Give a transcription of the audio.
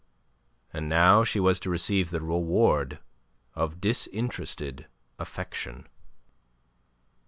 And now she was to receive the reward of disinterested affection.